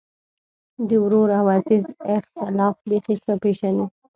د ورور او عزیز اختلاف بېخي ښه پېژني.